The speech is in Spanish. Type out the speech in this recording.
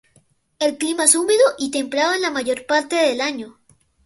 El clima es húmedo y templado en la mayor parte del año.